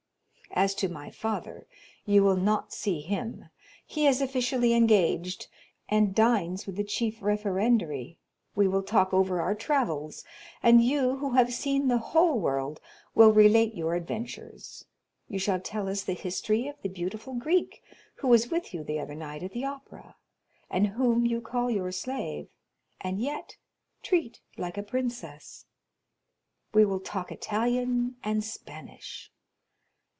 As to my father, you will not see him; he is officially engaged, and dines with the chief referendary. We will talk over our travels; and you, who have seen the whole world, will relate your adventures—you shall tell us the history of the beautiful Greek who was with you the other night at the Opera, and whom you call your slave, and yet treat like a princess. We will talk Italian and Spanish.